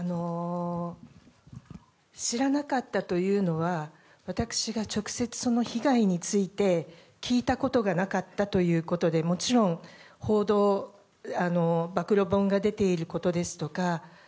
知らなかったというのは私が直接、その被害について聞いたことがなかったということでもちろん、暴露本が出ていることですとか